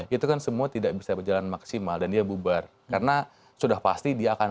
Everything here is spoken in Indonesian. itu kan semua tidak bisa berjalan maksimal dan dia bubar karena sudah pasti dia akan